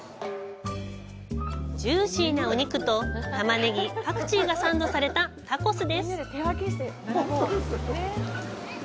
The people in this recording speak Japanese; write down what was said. ジューシーなお肉とタマネギ、パクチーがサンドされたタコスです。